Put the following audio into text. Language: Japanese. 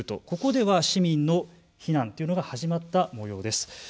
ここでは市民の避難というのが始まった模様です。